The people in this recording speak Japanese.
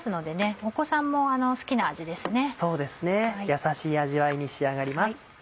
やさしい味わいに仕上がります。